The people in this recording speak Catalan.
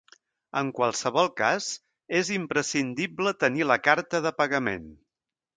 En qualsevol cas és imprescindible tenir la carta de pagament.